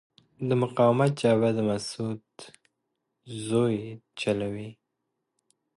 د مقاومت جبهه د مسعود ژوی چلوي.